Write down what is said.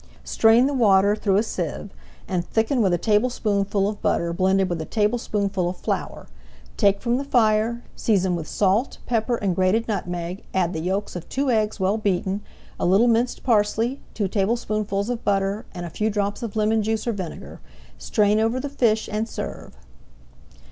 Strain the water through a sieve, and thicken with a tablespoonful of butter blended with a tablespoonful of flour. Take from the fire, season with salt, pepper, and grated nutmeg, add the yolks of two eggs well beaten, a little minced parsley, two tablespoonfuls of butter, and a few drops of lemon juice or vinegar. Strain over the fish and serve.